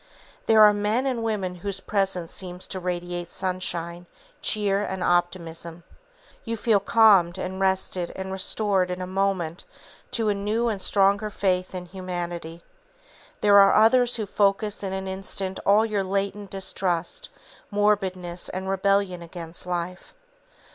There are men and women whose presence seems to radiate sunshine, cheer and optimism. You feel calmed and rested and restored in a moment to a new and stronger faith in humanity. There are others who focus in an instant all your latent distrust, morbidness and rebellion against life.